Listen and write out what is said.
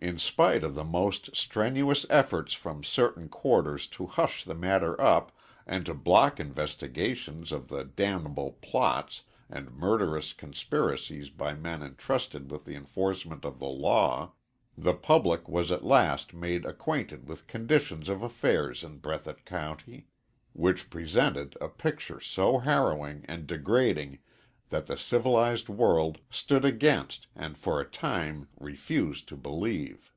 In spite of the most strenuous efforts from certain quarters to hush the matter up and to block investigations of the damnable plots and murderous conspiracies by men entrusted with the enforcement of the law, the public was at last made acquainted with conditions of affairs in Breathitt County, which presented a picture so harrowing and degrading that the civilized world stood aghast and for a time refused to believe.